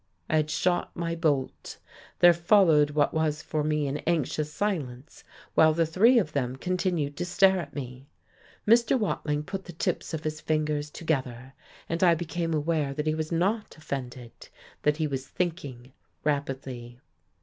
I had shot my bolt.... There followed what was for me an anxious silence, while the three of them continued to stare at me. Mr. Watling put the tips of his fingers together, and I became aware that he was not offended, that he was thinking rapidly.